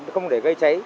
không để gây cháy